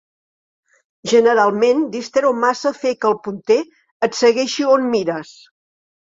Generalment distreu massa fer que el punter et segueixi on mires.